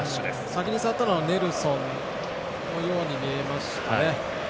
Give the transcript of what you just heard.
先に触ったのはネルソンのように見えましたね。